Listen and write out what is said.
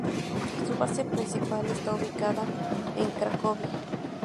Su base principal está ubicada en Cracovia.